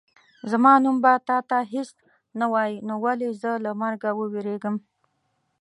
زما نوم به تا ته هېڅ نه وایي نو ولې زه له مرګه ووېرېږم.